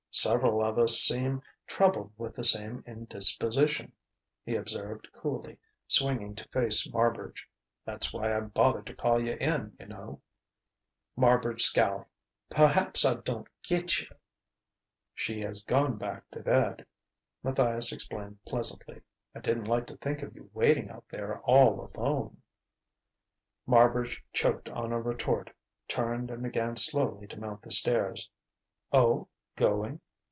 "Several of us seem troubled with the same indisposition," he observed coolly, swinging to face Marbridge. "That's why I bothered to call you in, you know." Marbridge scowled: "Perhaps I don't get you...." "She has gone back to bed," Matthias explained pleasantly. "I didn't like to think of you waiting out there, all alone." Marbridge choked on a retort, turned and began slowly to mount the stairs. "Oh going?